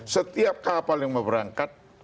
setiap kapal yang mau berangkat